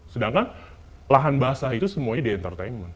sedangkan lahan basah itu semuanya di entertainment